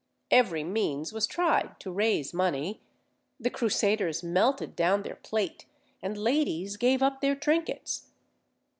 Every means was tried to raise money; the Crusaders melted down their plate, and ladies gave up their trinkets.